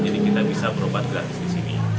jadi kita bisa berobat gratis di sini